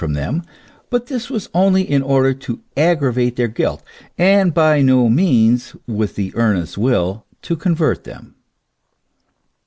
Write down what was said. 237 from them, but this was only in order to aggravate their guilt, and by no means with the earnest will to convert them.